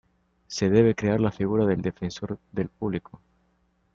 Se debe crear la figura del "Defensor del Público".